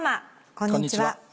こんにちは。